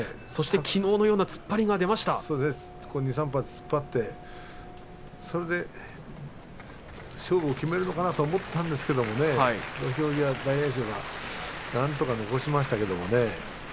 きのうのような突っ張りも出て勝負を決めるのかなと思ったんですけれど土俵際、大栄翔がなんとか残しましたけれどもね。